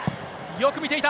よく見ていた。